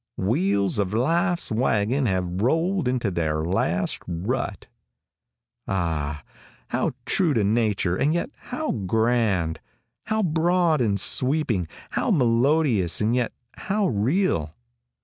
"Wheels of life's wagon have rolled into their last rut." Ah! how true to nature and yet how grand. How broad and sweeping. How melodious and yet how real.